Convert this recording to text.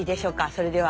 それでは。